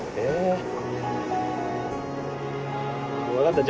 分かった。